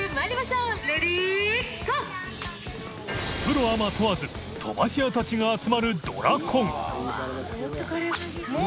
礇廛・アマ問わず飛ばし屋たちが集まるドラコンいぢ里靴討